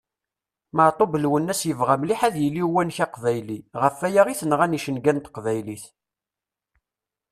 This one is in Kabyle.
Meɛtub Lwennas yebɣa mliḥ ad yili uwanek aqbayli, ɣef aya i t-nɣan icenga n teqbaylit!